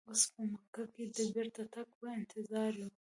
اوس په مکه کې د بیرته تګ په انتظار یو.